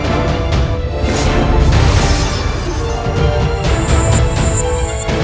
aku akan mengikuti kaca benggalaku